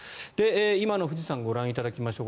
今の富士山ご覧いただきましょう。